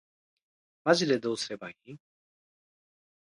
マジでどうすればいいん